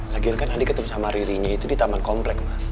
lagi lagi kan andi ketemu sama ririnya itu di taman komplek